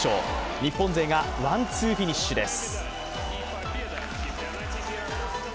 日本勢がワン・ツーフィニッシュです。